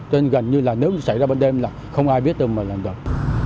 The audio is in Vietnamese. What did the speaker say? cho nên gần như là nếu xảy ra bán đêm là không ai biết tôi mà làm được